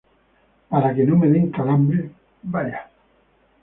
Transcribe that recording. para que no me den calambres. vaya.